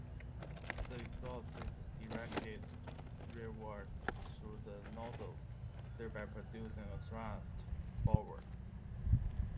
The exhaust is directed rearward through the nozzle, thereby producing a thrust forward.